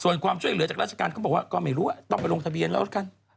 ส่วนความช่วยเหลือจากราชการเขาบอกว่าก็ไม่รู้ว่าต้องไปลงทะเบียนแล้วกัน